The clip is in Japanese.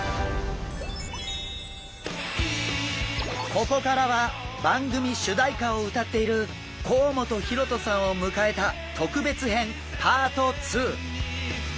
ここからは番組主題歌を歌っている甲本ヒロトさんを迎えた特別編パート２！